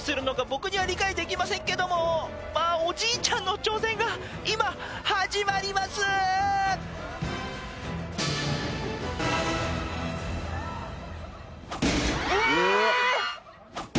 僕には理解できませんけどもおじいちゃんの挑戦が今始まりますえー！